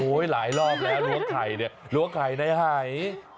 หลายรอบแล้วล้วงไข่เนี่ยล้วงไข่ในหาย